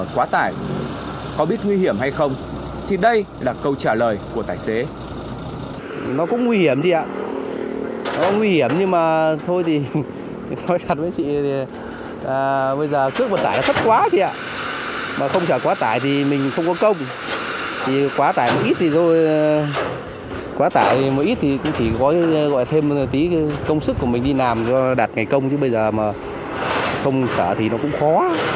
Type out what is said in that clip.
quá tải thì một ít thì cũng chỉ gói thêm một tí công sức của mình đi làm cho đạt ngày công chứ bây giờ mà không chở thì nó cũng khó